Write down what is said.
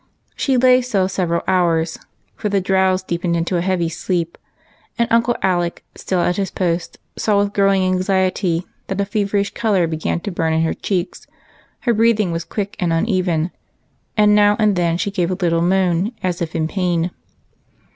She lay so several hours, for the drowse deepened into a heavy sleep, and Uncle Alec, still at his post, saw with growing anxiety that a feverish color began 246 EIGHT COUSINS. to burn in her cheeks, that her breathing was quick and uneven, and now and then she gave a little moan, as if in pain.